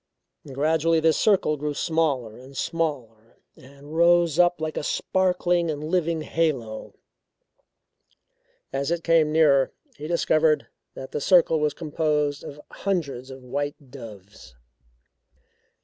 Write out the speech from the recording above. Gradually this circle grew smaller and smaller and rose up like a sparkling and living halo. As it came nearer, he discovered that the circle was composed of hundreds of white doves.